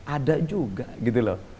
ada juga gitu loh